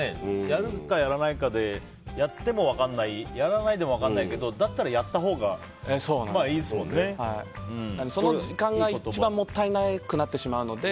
やるかやらないかでやっても分からないやらないでも分からないけどだったらやったほうがその時間が一番もったいなくなってしまうので。